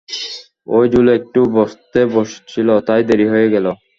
ঐ জুলি একটু বসতে বলছিল, তাই দেরি হয়ে গেল।